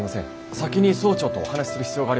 先に総長とお話しする必要がありますので。